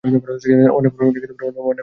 অনেক বড় কোম্পানি।